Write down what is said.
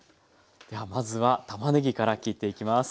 ではまずはたまねぎから切っていきます。